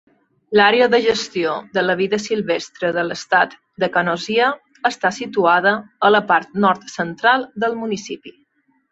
L'àrea de gestió de la vida silvestre de l'estat de Canosia està situada a la part nord central del municipi.